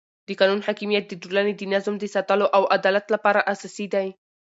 د قانون حاکمیت د ټولنې د نظم د ساتلو او عدالت لپاره اساسي دی